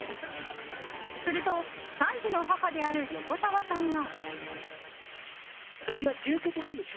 すると、３児の母である横澤さんが。